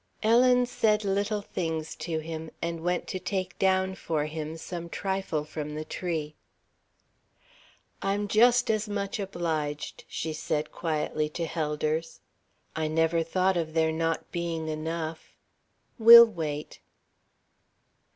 Ellen said little things to him, and went to take down for him some trifle from the tree. "I'm just as much obliged," she said quietly to Helders. "I never thought of there not being enough. We'll wait."